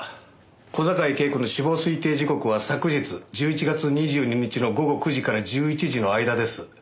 小坂井恵子の死亡推定時刻は昨日１１月２２日の午後９時から１１時の間です。